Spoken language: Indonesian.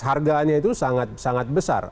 harganya itu sangat sangat besar